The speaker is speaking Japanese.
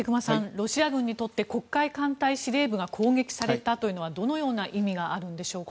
ロシア軍にとって黒海艦隊司令部が攻撃されたというのはどのような意味があるんでしょうか？